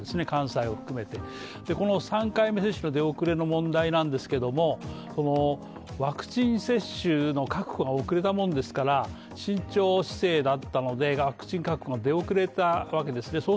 関西を含めてこの３回目接種出遅れの問題なんですけどもワクチン接種の確保が遅れたもんですから、慎重姿勢だったのでワクチン確保が出遅れたわけですね